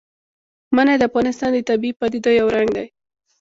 منی د افغانستان د طبیعي پدیدو یو رنګ دی.